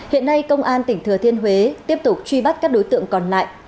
hiện nay công an tỉnh thừa thiên huế tiếp tục truy bắt các đối tượng còn lại